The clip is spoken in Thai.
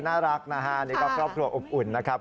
น่ารักนะฮะนี่ก็ครอบครัวอบอุ่นนะครับ